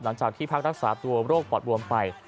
หลังจากที่ฮิลารี่ฟังตัวโรครัสปอดบวมไป